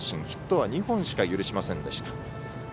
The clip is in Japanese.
ヒットは２本しか許しませんでした。